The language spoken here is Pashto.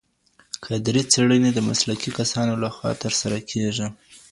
کدري څېړني د مسلکي کسانو لخوا ترسره کیږي.